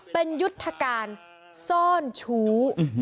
เป็นยุทธการซ่อนชู้